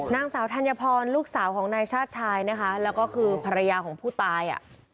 นางสาวธัญพรลูกสาวของนายชาติชายนะคะแล้วก็คือภรรยาของผู้ตายอ่ะ